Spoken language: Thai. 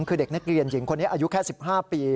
คือเด็กนักเรียนหญิงคนนี้อายุแค่๑๕ปี